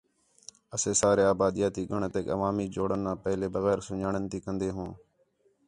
اَسے سارے آبادیاتی ڳَݨَتیک عوامی جوڑݨ آ پہلے بغیر سُن٘ڄاݨ تی کندے ہوں۔